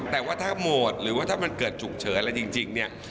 แต่ว่าถ้าโหมดหรือว่าถ้ามันเกิดฉุกเฉินอะไรจริงเนี่ย